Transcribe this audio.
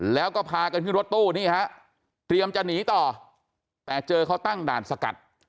แล้วก็พากันขึ้นรถตู้นี่ฮะเตรียมจะหนีต่อแต่เจอเขาตั้งด่านสกัด